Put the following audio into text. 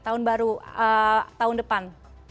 tahun baru tahun depan